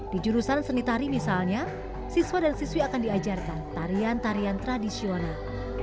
di jurusan seni tari misalnya siswa dan siswi akan diajarkan tarian tarian tradisional